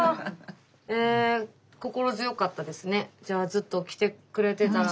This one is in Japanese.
ずっと来てくれてたら。